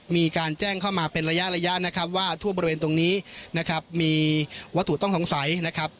มีการแจ้งเข้ามาเป็นระยะระยะนะครับว่าทั่วบริเวณตรงนี้นะครับมีวัตถุต้องสงสัยนะครับ